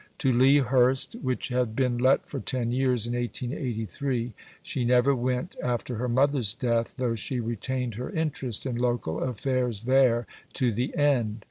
To Lea Hurst, which had been let for 10 years in 1883, she never went after her mother's death, though she retained her interest in local affairs there to the end.